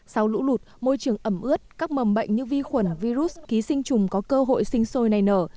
sau lũ lụt môi trường ẩm ướt các mầm bệnh như vi khuẩn virus ký sinh trùng có cơ hội sinh sôi này nở